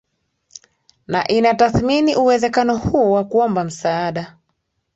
na inatathmini uwezekano huo wa kuomba msaada